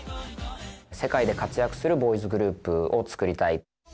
世界で活躍するボーイズグループを作りたい。